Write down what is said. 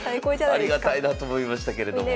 ありがたいなと思いましたけれども。